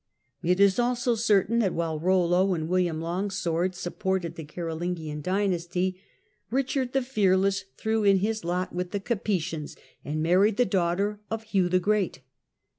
It is also certain that while Eollo and William Longsword sup ported the Carolingian dynasty, Richard the Fearless threw in his lot with the Capetians, and married the daughter of Hugh the Great.